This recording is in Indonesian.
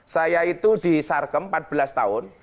saya itu di sarkem empat belas tahun